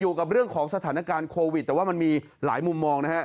อยู่กับเรื่องของสถานการณ์โควิดแต่ว่ามันมีหลายมุมมองนะฮะ